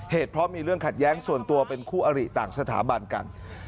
เหตุเพราะมีเรื่องขัดแย้งส่วนตัวเป็นคู่อริต่างสถาบันกัน